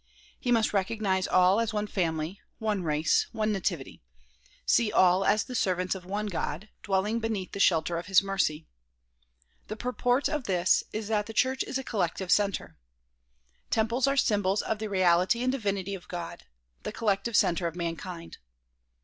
He must recognize all as one family, one race, one nativity; see all as the servants of one God, dwelling beneath the shelter of his mercy. The purport of this is that the church is a collective center. Temples are symbols of the reality and divinity of God; the collective center of mankind.